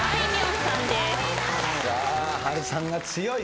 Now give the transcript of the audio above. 波瑠さんが強い。